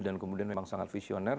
dan kemudian memang sangat visioner